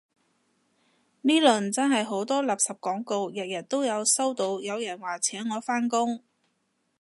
呢輪真係好多垃圾廣告，日日都收到有人話請我返工